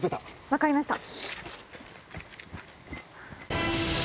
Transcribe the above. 分かりました。